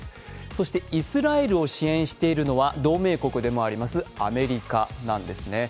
そして、イスラエルを支援しているのは同盟国でもありますアメリカなんですね。